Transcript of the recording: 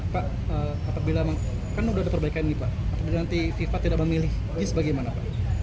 pak apabila kan sudah terbaik ini pak apabila nanti fifa tidak memilih jis bagaimana pak